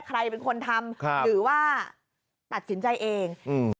ใครเป็นคนทำหรือว่าตัดสินใจเองอืม